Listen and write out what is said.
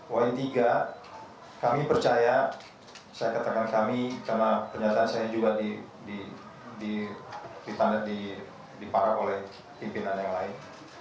poin tiga kami percaya saya keterangan kami karena pernyataan saya juga diparak oleh pimpinan yang lain